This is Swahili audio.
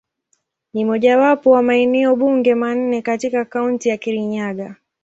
Ni mojawapo wa maeneo bunge manne katika Kaunti ya Kirinyaga.